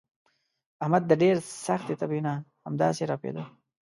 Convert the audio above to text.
احمد د ډېرې سختې تبې نه همداسې ړپېدا.